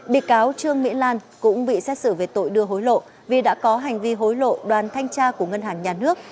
bị cáo trương mỹ lan cũng bị xét xử về tội đưa hối lộ vì đã có hành vi hối lộ đoàn thanh tra của ngân hàng nhà nước